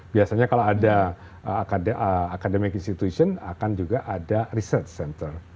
biasanya kalau ada academic institution akan juga ada research center